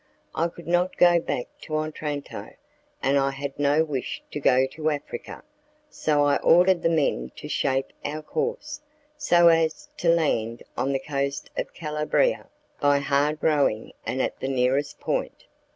I could not go back to Otranto, and I had no wish to go to Africa, so I ordered the men to shape our course, so as to land on the coast of Calabria, by hard rowing and at the nearest point.